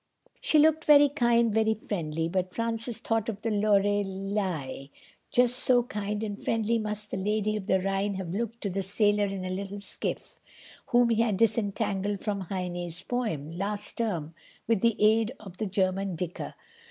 She looked very kind, very friendly. But Francis thought of the Lorelei. Just so kind and friendly must the Lady of the Rhine have looked to the "sailor in a little skiff" whom he had disentangled from Heine's poem, last term, with the aid of the German dicker.